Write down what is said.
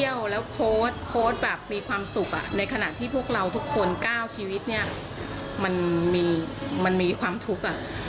ไปเที่ยวและโพสต์แบบมีความสุขในขณะที่พวกเราทุกคนก้าวชีวิตเนี่ยมันมีมันมีความทุกข์